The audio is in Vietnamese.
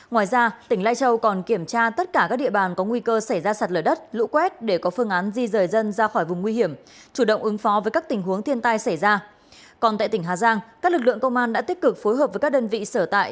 tại tỉnh hà giang các lực lượng công an đã tích cực phối hợp với các đơn vị sở tại